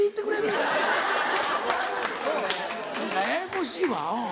ややこしいわうん。